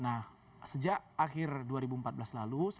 nah sejak akhir dua ribu empat belas lalu